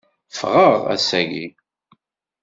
Fɣeɣ ass-agi.